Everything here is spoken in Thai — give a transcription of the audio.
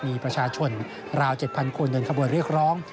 มีประชาชนราว๗๐๐คนเดินขบวนเรียกร้อง